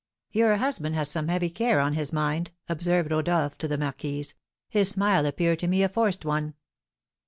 "Your husband has some heavy care on his mind," observed Rodolph to the marquise; "his smile appeared to me a forced one."